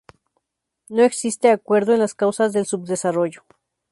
No existe acuerdo en las causas del subdesarrollo.